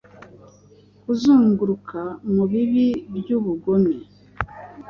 Kuzunguruka mubibi byubugome,